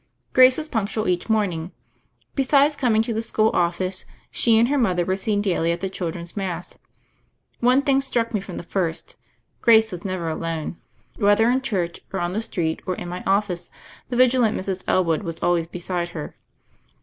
Grace was punctual each morning. Besides coming to the school office she and her mother were seen daily at the children's Mass. One thing struck me from the first: Grace was never alone. Whether in church or on the street or in my office, the vigilant Mrs. Elwood was always beside her.